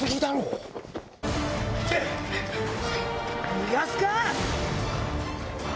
逃がすか！